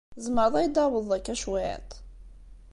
Tzemreḍ ad iyi-d-tɛawdeḍ akka cwiṭ?